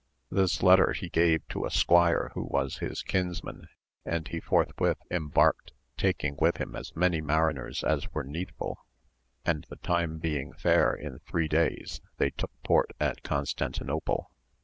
This letter he gave to a squire who was his kinsman, and he forthwith embarked taking with him as many mariners as were needful, and the time being fair in three days they took port at Constantinople.